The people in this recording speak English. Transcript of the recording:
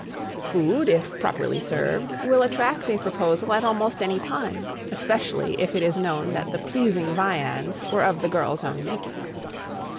Food, properly served, will attract a proposal at almost any time, especially if it is known that the pleasing viands were of the girl's own making.